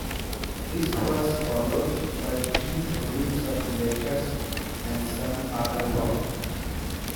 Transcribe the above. This was followed by three volumes of letters and some other work.